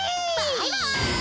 バイバイ！